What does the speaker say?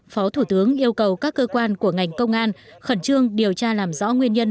phó thủ tướng yêu cầu các cơ quan của ngành công an khẩn trương điều tra làm rõ nguyên nhân